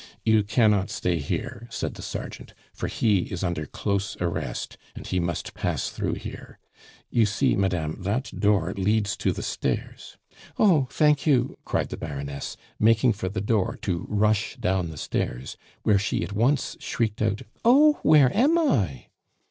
"You cannot stay here," said the sergeant, "for he is under close arrest, and he must pass through here. You see, madame, that door leads to the stairs " "Oh! thank you!" cried the Baroness, making for the door, to rush down the stairs, where she at once shrieked out, "Oh! where am I?"